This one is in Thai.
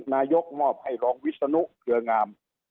นายกมอบให้รองวิศนุเครืองาม